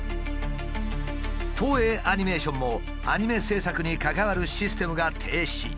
東映アニメーションもアニメ制作に関わるシステムが停止。